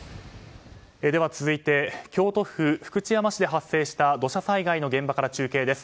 続いて京都府福知山市で発生した土砂災害の現場から中継です。